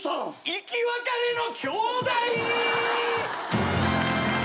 生き別れの兄弟！